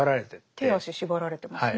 手足縛られてますね。